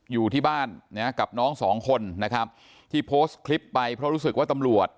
อยู่ที่บ้านนะกับน้องสองคนนะครับที่โพสต์คลิปไปเพราะรู้สึกว่าตำรวจ